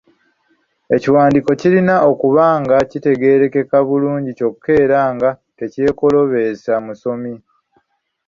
Ekiwandiiko kirina okuba nga kitegeerekeka bulungi kyokka era nga tekyekooloobesa musomi.